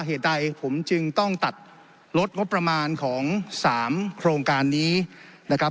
เหตุใดผมจึงต้องตัดลดงบประมาณของ๓โครงการนี้นะครับ